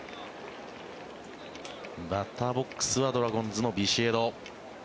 バッターボックスはドラゴンズのビシエド。